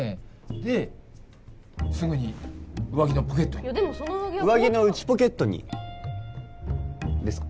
ですぐに上着のポケットにでもその上着は上着の内ポケットにですか？